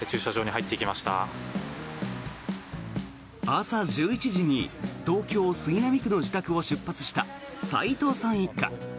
朝１１時に東京・杉並区の自宅を出発した齋藤さん一家。